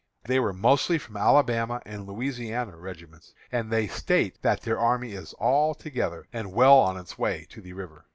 They were mostly from Alabama and Louisiana regiments; and they state that their army is all together, and well on its way to the river.